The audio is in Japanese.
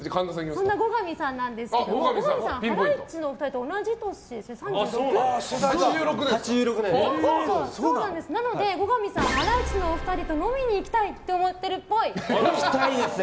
そんな後上さんなんですけど後上さん、ハライチのお二人と同じ年ですよね、３６？なので、後上さんハライチの２人と飲みに行きたいって行きたいですね。